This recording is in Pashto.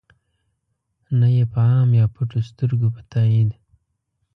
نه ېې په عام یا پټو سترګو په تایید.